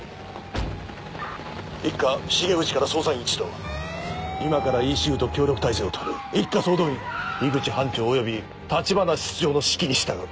一課重藤から捜査員一同今からＥＣＵと協力体制を取る一課総動員口班長および橘室長の指揮に従う。